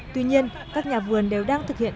tuy nhiên các nhà vườn đều đang thực hiện